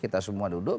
kita semua duduk